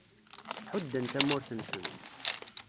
Ḥudden tamurt-nsen.